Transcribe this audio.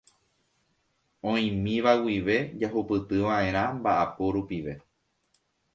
Oĩmíva guive jahupytyva'erã mba'apo rupive.